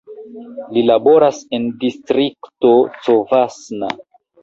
Li laboras en Distrikto Covasna.